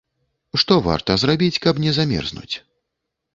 Што варта зрабіць, каб не замерзнуць?